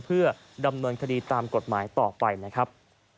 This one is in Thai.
เพื่อดำเนินคดีตามกฎหมายต่อไปนะครับ